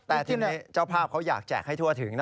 แต่ทีนี้เจ้าภาพเขาอยากแจกให้ทั่วถึงนะ